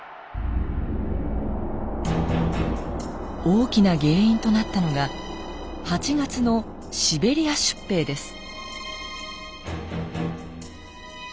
大きな原因となったのが８月のシベリア出兵です。